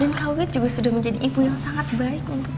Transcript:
dan kak wit juga sudah menjadi ibu yang sangat baik untuk kay